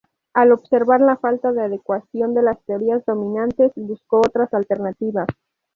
Al observar la falta de adecuación de las teorías dominantes, buscó otras alternativas.